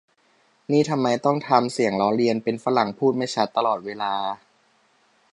นี่ทำไมต้องทำเสียงล้อเลียนเป็นฝรั่งพูดไม่ชัดตลอดเวลา